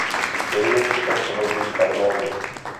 Ve městě tak převažují Arméni.